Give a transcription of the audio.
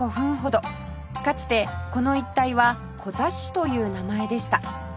かつてこの一帯はコザ市という名前でした